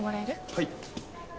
はい。